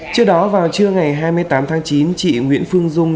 trước đó vào trưa ngày hai mươi tám tháng chín chị nguyễn phương dung